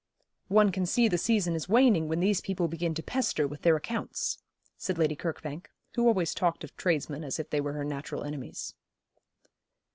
'One can see the season is waning when these people begin to pester with their accounts,' said Lady Kirkbank, who always talked of tradesmen as if they were her natural enemies.